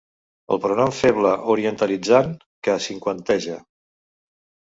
El pronom feble orientalitzant que cinquanteja.